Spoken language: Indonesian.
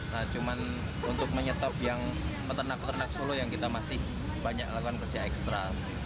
nah cuma untuk menyetop yang peternak peternak solo yang kita masih banyak lakukan kerja ekstra